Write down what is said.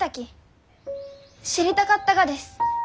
知りたかったがです。